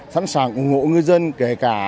sẵn sàng ủng hộ ngư dân kể cả